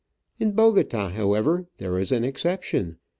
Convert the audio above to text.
In Bogota, how ever, there is an exception.